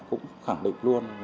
cũng khẳng định luôn